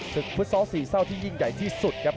ฟุตซอลสี่เศร้าที่ยิ่งใหญ่ที่สุดครับ